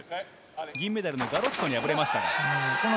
銀メダルのガロッツォに敗れました。